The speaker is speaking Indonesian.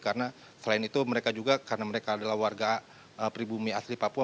karena selain itu mereka juga karena mereka adalah warga pribumi asli papua